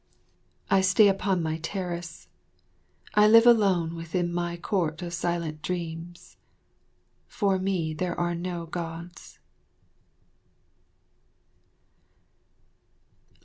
I stay upon my terrace, I live alone within my court of silent dreams. For me there are no Gods.